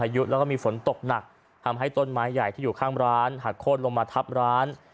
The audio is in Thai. ยุแล้วก็มีฝนตกหนักทำให้ต้นไม้ใหญ่ที่อยู่ข้างร้านหักโค้นลงมาทับร้าน